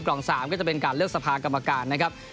กล่อง๓ก็จะเป็นการเลือกสภากรรมการนะครับ